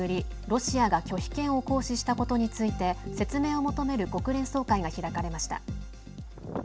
ロシアが拒否権を行使したことについて説明を求める国連総会が開かれました。